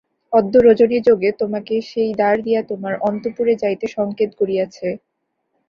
অদ্য রজনীযোগে তোমাকে সেই দ্বার দিয়া তাহার অন্তঃপুরে যাইতে সঙ্কেত করিয়াছে।